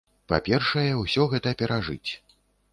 Па-першае, усё гэта перажыць.